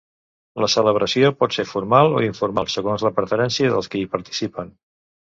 La celebració pot ser formal o informal, segons la preferència dels qui hi participen.